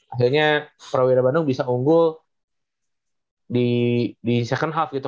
akhirnya prawira bandung bisa unggul di second hub gitu